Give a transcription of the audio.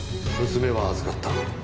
娘は預かった。